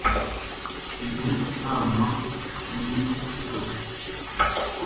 Iyo nama ni iyinshuti kabisa